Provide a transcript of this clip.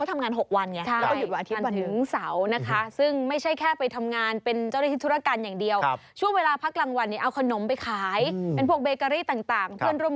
เมื่อวานวันเสาร์